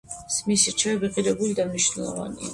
მისი რჩევები ღირებული და მნიშვნელოვანია